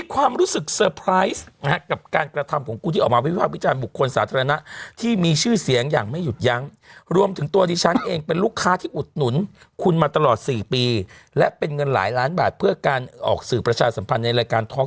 เขาก็เลยเสี้ยะกลับด้วยอายจี